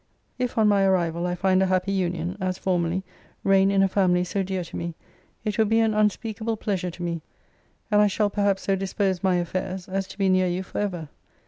If on my arrival I find a happy union, as formerly, reign in a family so dear to me, it will be an unspeakable pleasure to me; and I shall perhaps so dispose my affairs, as to be near you for ever.